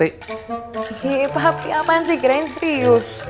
iiih papi apaan sih kirain serius